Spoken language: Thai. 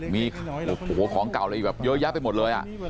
มีของเก่าเลยแบบเยอะแยะไปหมดเลยอ่ะ